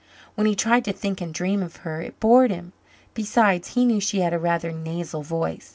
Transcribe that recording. When he tried to think and dream of her, it bored him. Besides, he knew she had a rather nasal voice.